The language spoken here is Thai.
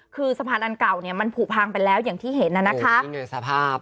คือสะพานอันเก่าเนี่ยมันผูกพังไปแล้วอย่างที่เห็นน่ะนะคะ